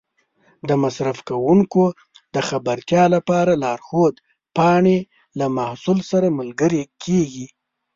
د مصرف کوونکو د خبرتیا لپاره لارښود پاڼې له محصول سره ملګري کېږي.